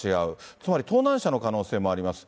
つまり盗難車の可能性もあります。